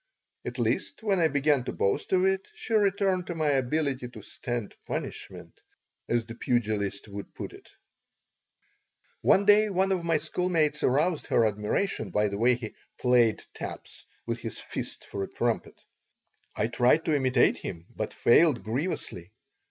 At least when I began to boast of it she returned to my ability "to stand punishment," as the pugilists would put it One day one of my schoolmates aroused her admiration by the way he "played" taps with his fist for a trumpet. I tried to imitate him, but failed grievously.